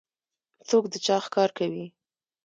څوک د چا ښکار کوي؟